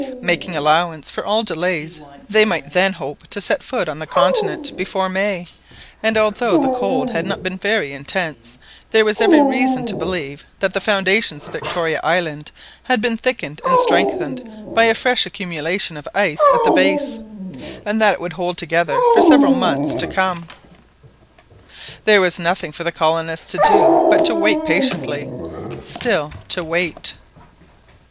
Making allowance for all delays they might then hope to set foot on the continent before May, and although the cold had not been very intense there was every reason to believe that the foundations of Victoria Island had been thickened and strengthened by a fresh accumulation of ice at the base, and that it would hold together for several months to come. There was then nothing for the colonists to do but to wait patiently,—still to wait!